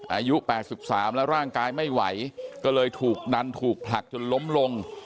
อายุ๘๓แล้วร่างกายไม่ไหวก็เลยถูกดันถูกผลักจนล้มลง